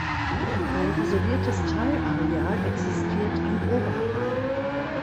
Ein isoliertes Teilareal existiert am Oberrhein.